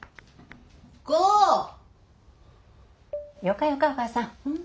よかよかお母さん。